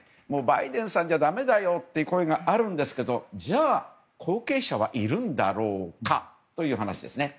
バイデンさんじゃだめだよという声があるんですけれどもじゃあ、後継者はいるんだろうかという話ですね。